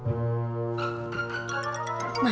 oh seperti itu